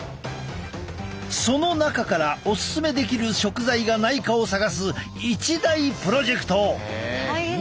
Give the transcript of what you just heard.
その中からオススメできる食材がないかを探す一大プロジェクト！